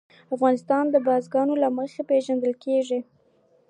افغانستان د بزګان له مخې پېژندل کېږي.